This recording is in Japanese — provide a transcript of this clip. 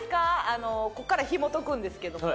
あのこっからひもとくんですけども。